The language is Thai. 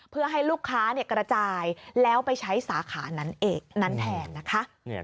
เพื่อให้ลูกค้ากระจายแล้วไปใช้สาขานั้นเองนั้นแทนนะคะ